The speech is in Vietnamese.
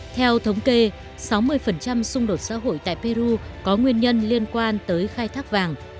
theo thống kê sáu mươi xung đột xã hội tại peru có nguyên nhân liên quan tới khai thác vàng